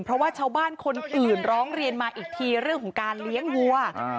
เพราะว่าชาวบ้านคนอื่นร้องเรียนมาอีกทีเรื่องของการเลี้ยงวัว